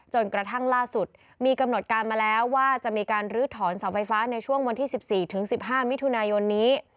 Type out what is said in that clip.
กระทั่งล่าสุดมีกำหนดการมาแล้วว่าจะมีการลื้อถอนเสาไฟฟ้าในช่วงวันที่๑๔ถึง๑๕มิถุนายนนี้